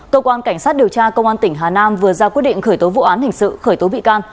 cơ quan cảnh sát điều tra công an tỉnh hà nam vừa ra quyết định khởi tố vụ án hình sự khởi tố bị can